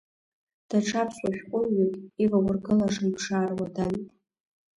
Даҽа аԥсуа шәҟәыҩҩык иваургылаша иԥшаара уадаҩуп.